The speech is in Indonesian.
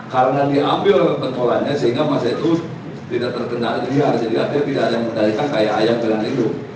karena diambil oleh penolanya sehingga masa itu tidak terkenal jadi akhirnya tidak ada yang menariknya kayak ayam dengan lindung